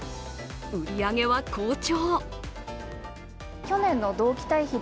売り上げは好調。